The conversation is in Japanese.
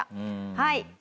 はい。